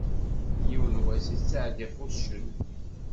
Yiwen wass i tettɛeddi ɣef wuccen.